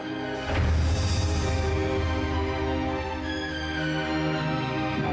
kamu mau dukung aku